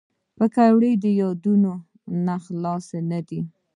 پکورې د یادونو نه جلا نه دي